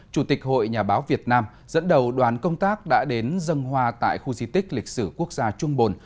chủ tịch hội nhà báo việt nam dẫn đầu đoàn công tác đã đến dân hoa tại khu di tích lịch sử quốc gia trung bồn